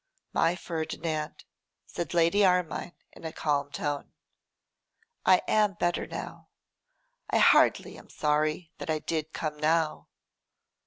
'My Ferdinand,' said Lady Armine, in a calm tone, 'I am better now. I hardly am sorry that I did come now.